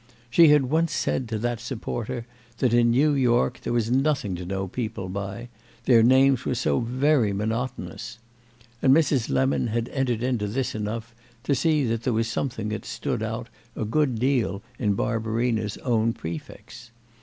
She had once said to that supporter that in New York there was nothing to know people by, their names were so very monotonous; and Mrs. Lemon had entered into this enough to see that there was something that stood out a good deal in Barbarina's own prefix.